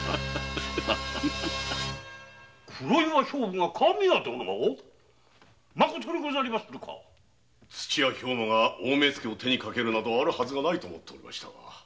黒岩兵部が神谷殿を⁉まことにござりまするか土屋兵馬が大目付を手にかけるなどないと思いましたが。